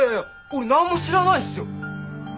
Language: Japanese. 俺なんも知らないっすよ！